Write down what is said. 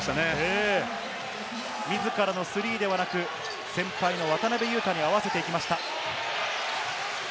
自らのスリーではなく、先輩の渡邊雄太に合わせてきました。